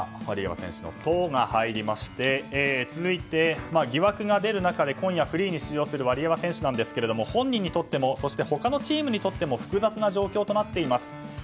ワリエワ選手の「ト」が入りまして続いて、疑惑が出る中で今夜フリーに出場するワリエワ選手なんですが本人にとってもそして他のチームにとっても複雑な状況になっています。